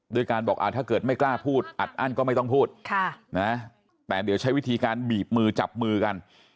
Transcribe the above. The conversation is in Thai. ด้วยการบอกถ้าเกิดไม่กล้าพูดอัดอั้นก็ไม่ต้องพูดแต่เดี๋ยวใช้วิธีการบีบมือจับมือกัน